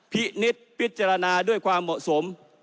นิดพิจารณาด้วยความเหมาะสม